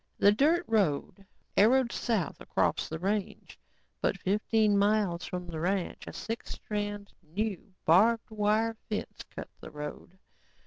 The dirt road arrowed south across the range but fifteen miles from the ranch, a six strand, new, barbed wire fence cut the road.